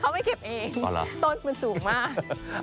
เขาไม่เก็บเองต้นมันสูงมาก